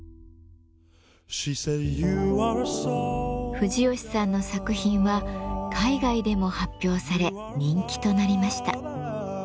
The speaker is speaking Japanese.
藤吉さんの作品は海外でも発表され人気となりました。